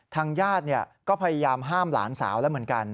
ทางญาติก็พยายามห้ามหลานสาวแล้วเหมือนกัน